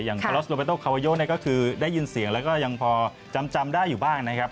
อย่างคอลอสโลเบเตอร์โคาวโยก็คือได้ยินเสียงแล้วก็ยังพอจำได้อยู่บ้างนะครับ